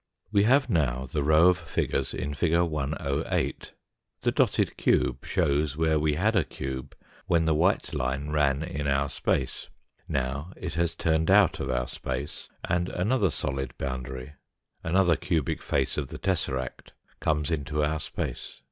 We have now the row of figures in fig. 108. The dotted cube shows where we had a cube when the white line ran in our space now it has turned out of our space, and another solid boundary, another cubic face of the tesseract comes into our space.